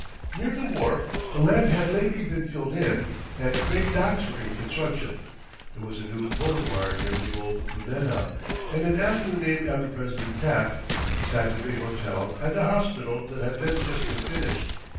Near the wharf the land had lately been filled in, and great docks were in construction. There was a new boulevard near the old Luneta, and an avenue named after President Taft, besides a big hotel and a hospital that had then just been finished.